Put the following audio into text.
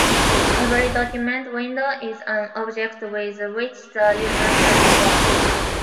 Every document window is an object with which the user can work.